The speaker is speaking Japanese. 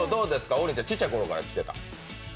王林ちゃんちっちゃいころから来てた？